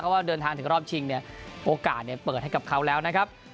ว่าเดินทางถึงรอบชิงเนี่ยโอกาสเปิดให้กับเขาแล้วนะครับ